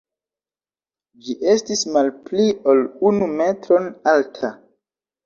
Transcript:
Ĝi estis malpli ol unu metron alta.